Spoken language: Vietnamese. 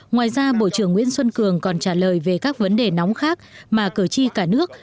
ngoài ra bộ trưởng nguyễn xuân cường còn trả lời về các vấn đề nóng khác mà cử tri cả nước